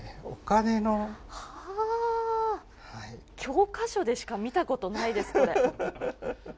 教科書でしか見たことないです、これ。